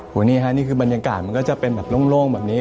วันนี้ครับนี่คือบรรยากาศมันก็จะเป็นแบบโล่งแบบนี้